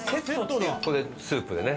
これスープでね